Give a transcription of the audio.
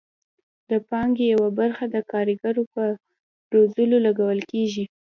د پانګې یوه برخه د کارګرو په روزلو لګول کیږي.